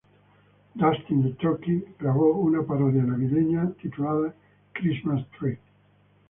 Dustin the Turkey grabó una parodia navideña titulada "Christmas Tree".